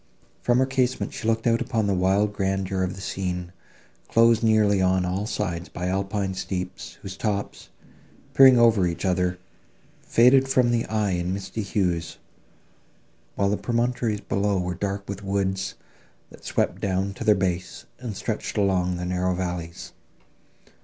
From her casement she looked out upon the wild grandeur of the scene, closed nearly on all sides by alpine steeps, whose tops, peeping over each other, faded from the eye in misty hues, while the promontories below were dark with woods, that swept down to their base, and stretched along the narrow valleys.